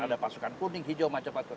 ada pasukan kuning hijau macam macam